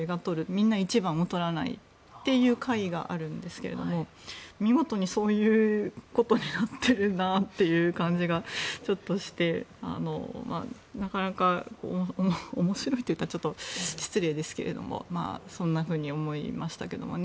みんな一番を取らないという解があるんですが見事にそういうことになってるなという感じがしてなかなか面白いと言ったらちょっと失礼ですがそんなふうに思いましたけどね。